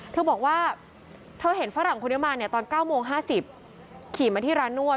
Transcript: เธอบอกว่าเธอเห็นฝรั่งคนนี้มาเนี่ยตอน๙โมง๕๐ขี่มาที่ร้านนวด